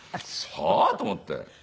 「はあ？」と思って。